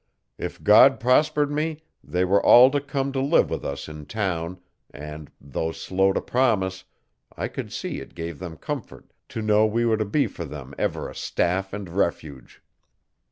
If God prospered me they were all to come to live with us in town and, though slow to promise, I could see it gave them comfort to know we were to be for them ever a staff and refuge.